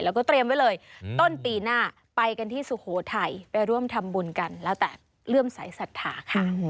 แล้วก็เตรียมไว้เลยต้นปีหน้าไปกันที่สุโขทัยไปร่วมทำบุญกันแล้วแต่เลื่อมสายศรัทธาค่ะ